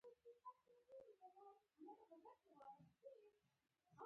هیڅ نامناسب کار ونه کړي.